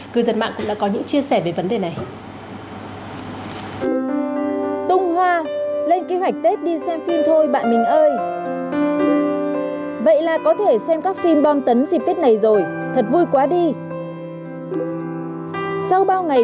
cư dân mạng cũng đã có những chia sẻ về vấn đề này